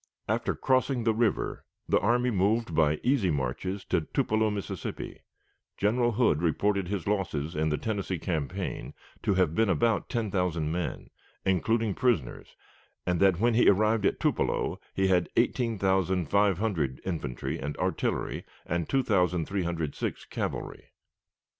After crossing the river, the army moved by easy marches to Tupelo, Mississippi. General Hood reported his losses in the Tennessee campaign to have been about ten thousand men, including prisoners, and that when he arrived at Tupelo he had 18,500 infantry and artillery, and 2,306 cavalry.